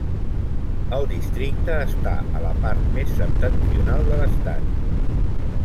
El districte està a la part més septentrional de l'estat.